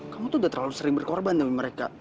kamu tuh udah terlalu sering berkorban sama mereka